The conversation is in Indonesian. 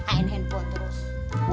kekain handphone terus